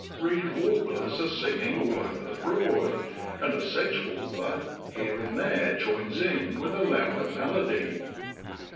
Eeed warblers are singing all over the Broad, and a sedge warbler here and there joins in with a louder melody.